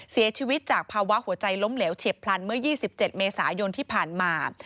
เสียชีวิตจากภาวะหัวใจล้มเหลวเฉียบพลันเมื่อ๒๗เมษายนที่ผ่านมา